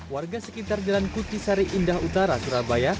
warga sekitar jalan kucisari indah utara surabaya